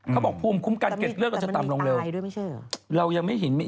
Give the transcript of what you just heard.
เค้าบอกภูมิคุ้มกันเก็ดเลือดก็จะต่ำลงเร็ว